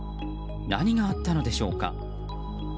何があったのでしょうか。